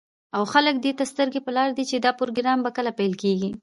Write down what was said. او خلك دېته سترگې په لار دي، چې دا پروگرام به كله پيل كېږي.